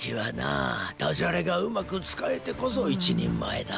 だじゃれがうまくつかえてこそいちにんまえだ。